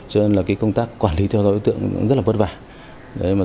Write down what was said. cho nên công tác quản lý theo dõi đối tượng rất vất vả